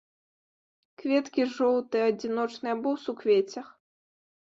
Кветкі жоўтыя, адзіночныя або ў суквеццях.